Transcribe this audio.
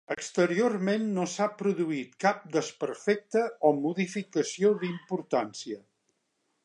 Exteriorment no s'ha produït cap desperfecte o modificació d'importància.